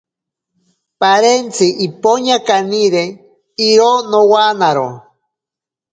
Parentzi ipoña kaniri iro nowanaro.